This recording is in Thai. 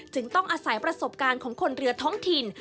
ต้องอาศัยประสบการณ์ของคนเรือท้องถิ่น